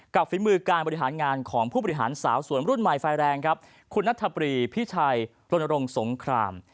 ฝีมือการบริหารงานของผู้บริหารสาวสวนรุ่นใหม่ไฟแรงครับคุณนัทปรีพิชัยรณรงค์สงคราม